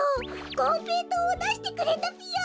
こんぺいとうをだしてくれたぴよ。